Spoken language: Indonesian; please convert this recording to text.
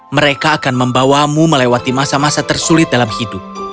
mereka akan membawamu melewati masa masa tersulit dalam hidup